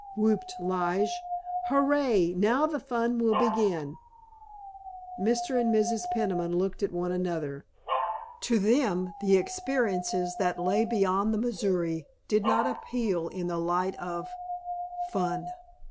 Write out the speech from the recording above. whooped Lige, "hurray, now the fun will begin!" Mr. and Mrs. Peniman looked at one another. To them the experiences that lay beyond the Missouri did not appeal in the light of fun.